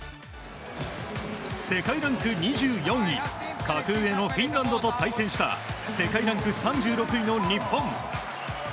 世界ランク２４位格上のフィンランドと対戦した世界ランク３６位の日本。